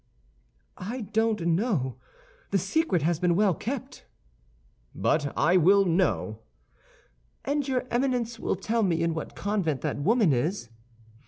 "I don't know; the secret has been well kept." "But I will know!" "And your Eminence will tell me in what convent that woman is?"